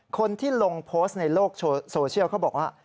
คนที่ลงโพสต์ในโลกโซเชียลเขาบอกว่า